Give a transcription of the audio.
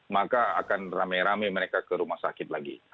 maka akan rame rame mereka ke rumah sakit lagi